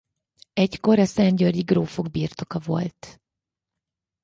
Egykor a Szentgyörgyi grófok birtoka volt.